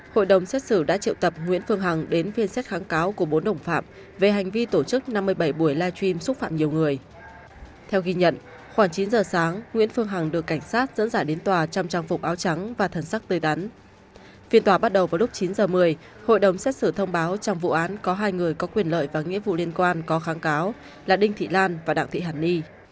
hãy đăng ký kênh để ủng hộ kênh của chúng mình nhé